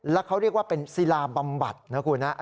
แล้วเขาเรียกว่าเป็นศิลาบำบัดนะคุณนะ